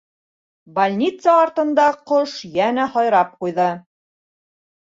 Больница артында «ҡош» йәнә һайрап ҡуйҙы.